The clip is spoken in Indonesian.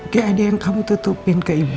gak ada yang kamu tutupin ke ibu